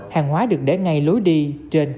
hàng hóa được để ngay lối đi trên cây